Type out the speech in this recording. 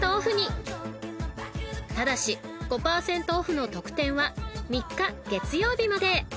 ［ただし５％オフの特典は３日月曜日まで］